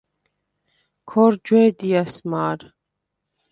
ქორ ჯვე̄დიას მა̄რ.